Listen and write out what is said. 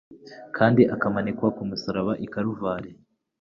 kandi akamanikwa ku musaraba i Karuvali.